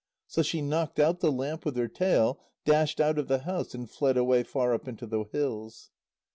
So she knocked out the lamp with her tail, dashed out of the house, and fled away far up into the hills.